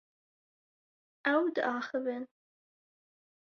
Ew diaxivin.